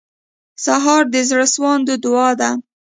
سهار د زړسواندو دعا ده.